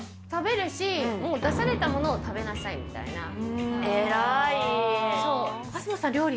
食べるし、もう出されたものを食べなさい！みたいな。